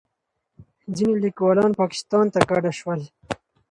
ځینې لیکوالان پاکستان ته کډه شول.